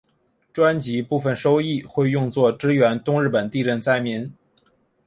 专辑部分收益会用作支援东日本地震灾民。